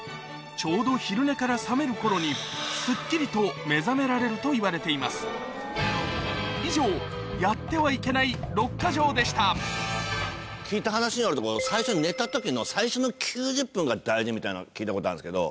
ちょうど昼寝から覚める頃にすっきりと目覚められるといわれています以上やってはいけない６か条でした聞いた話によると寝た時の最初の９０分が大事みたいなの聞いたことあるんですけど。